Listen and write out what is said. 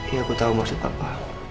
iya aku tahu maksud papa